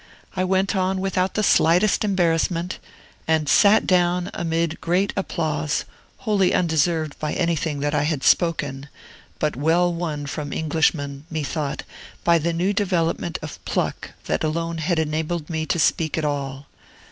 I went on without the slightest embarrassment, and sat down amid great applause, wholly undeserved by anything that I had spoken, but well won from Englishmen, methought, by the new development of pluck that alone had enabled me to speak at all.